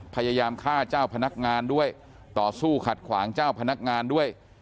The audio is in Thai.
พยายามฆ่าเจ้าพนักงานด้วยต่อสู้ขัดขวางเจ้าพนักงานด้วย